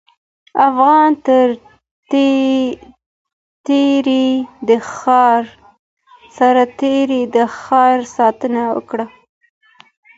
افغان سرتېري د ښار ساتنه وکړه.